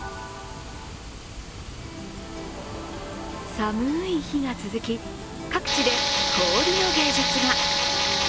寒い日が続き、各地で氷の芸術が。